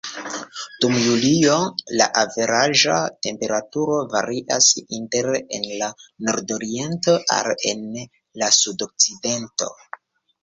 Dum julio, la averaĝa temperaturo varias inter en la nordoriento al en la sudokcidento.